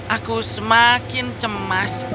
aku semakin cemas